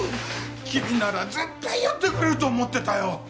君なら絶対やってくれると思ってたよ。